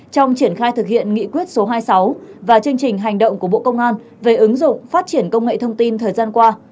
trong triển khai thực hiện nghị quyết số hai mươi sáu và chương trình hành động của bộ công an về ứng dụng phát triển công nghệ thông tin thời gian qua